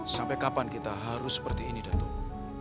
sampai kapan kita harus seperti ini datang